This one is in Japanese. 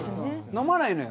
飲まないのよ。